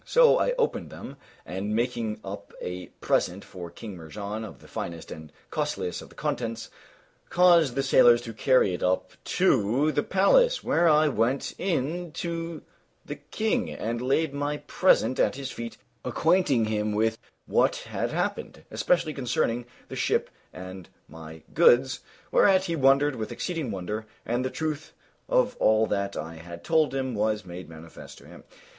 So I opened them, and making up a present for King Mihrján of the finest and costliest of the contents, caused the sailors to carry it up to the palace, where I went in to the King and laid my present at his feet acquainting him with what had happened, especially concerning the ship and my goods; whereat he wondered with exceeding wonder and the truth of all that I had told him was made manifest to him.